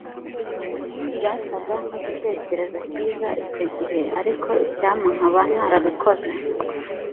byasaga nkigitekerezo cyiza icyo gihe, ariko icyampa nkaba ntarabikoze